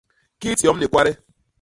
Kit yom ni kwade.